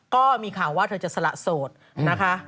ก็มีข่าวว่าเธอจะสละโสดนะคะ